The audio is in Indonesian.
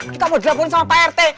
kita mau drafin sama pak rt